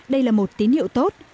đây là một tín hiệu tốt